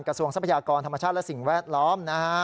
กระทรวงทรัพยากรธรรมชาติและสิ่งแวดล้อม